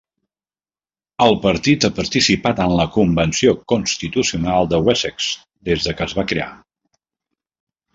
El partit ha participat en la Convenció Constitucional de Wessex des que es va crear.